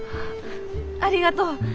ありがとう。